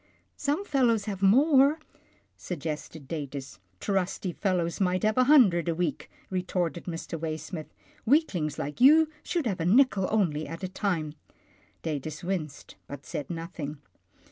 " Some fellows have more," suggested Datus. " Trusty fellows might have a hundred a week," retorted Mr. Waysmith. " Weaklings like you should have a nickel only at a time." Datus winced, but said nothing.